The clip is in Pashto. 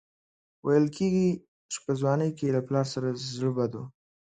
ویل کېږي چې په ځوانۍ کې یې له پلار سره زړه بد و.